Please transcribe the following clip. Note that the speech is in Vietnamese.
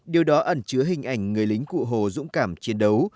điều đó ẩn chứa hình ảnh người lính cụ hồ dũng cảm chiến đấu